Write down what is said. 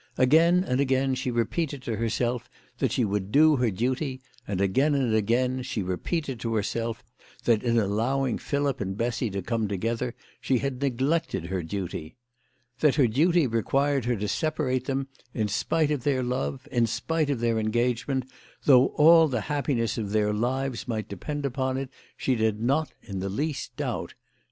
Again and again she repeated to herself that she would do her duty ; and again and again she repeated to herself that in allowing Philip and Bessy to come together she had neglected her duty. That her duty required her to separate them, in spite of their love, in spite of their engagement, though all the happiness of their lives might depend upon it, she did not in the least doubt.